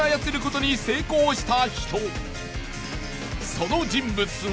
その人物は。